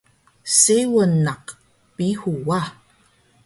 Seung naq Pihu wa